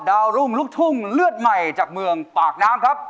ดาวรุ่งลูกทุ่งเลือดใหม่จากเมืองปากน้ำครับ